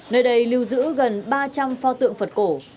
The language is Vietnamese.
nơi đây lưu giữ gần ba trăm linh pho tượng phật cổ